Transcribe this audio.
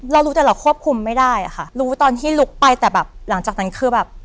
เรารู้แต่เราควบคุมไม่ได้อะค่ะรู้ตอนที่ลุกไปแต่แบบหลังจากนั้นคือแบบ